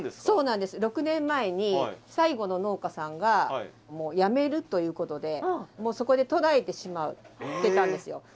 そうなんです６年前に最後の農家さんがもうやめるということでもうそこで途絶えてしまってたんですよ。